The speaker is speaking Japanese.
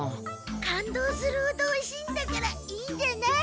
感動するほどおいしいんだからいいんじゃない？